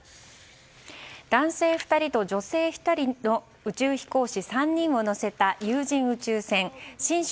男性２人と女性１人の宇宙飛行士３人を乗せた有人宇宙船「神舟」